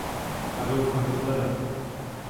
Adolfa Hitlera.